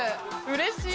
うれしい。